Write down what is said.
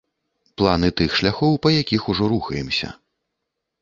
Планы тых шляхоў, па якіх ужо рухаемся.